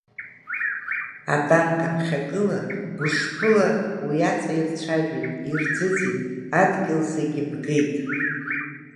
Атанк аԥхьагыла гәышԥыла уи аҵа ирцәажәеит, ирӡыӡеит, адгьыл зегь бгеит.